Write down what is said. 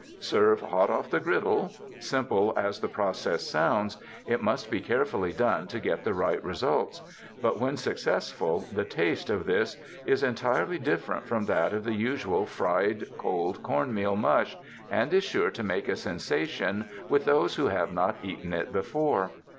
Serve ''hot off the griddle." Simple as the process sounds, it must be carefully done to get the right results; but when successful, the taste of this is entirely different from that of the usual fried cold corn meal mush, and is sure to make a sensation with those who have not eaten it be fore.